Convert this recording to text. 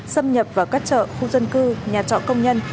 xâm nhập vào các chợ khu dân cư nhà trọ công nhân